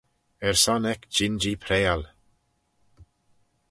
Er son eck jean-jee prayal.